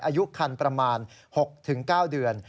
อายุคันประมาณ๖๙เดือน